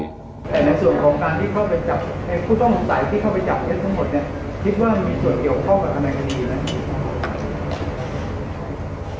แต่ในส่วนของการที่เข้าไปจับในผู้ต้องสัยที่เข้าไปจับเท็จทั้งหมดเนี่ยคิดว่ามีส่วนเกี่ยวข้องกับทนายคดีอยู่ไหม